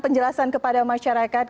penjelasan kepada masyarakat